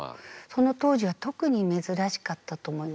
その当時は特に珍しかったと思います。